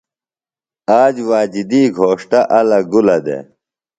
آج واجدی گھوݜٹہ الہ گُلہ دےۡ۔